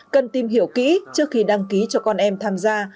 cần tìm hiểu kỹ trước khi đăng ký cho con em tham gia